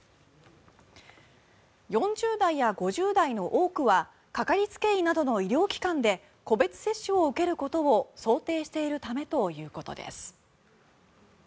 ４０代や５０代の多くはかかりつけ医などの医療機関で個別接種を受けることを想定しているためということです。